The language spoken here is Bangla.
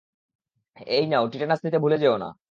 এই নাও, টিটেনাস নিতে ভুলে যেও না।